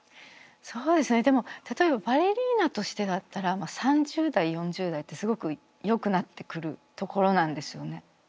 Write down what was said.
そうですねでも例えばバレリーナとしてだったら３０代４０代ってすごくよくなってくるところなんですよね。